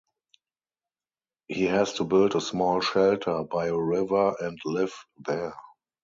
He has to build a small shelter by a river and live there.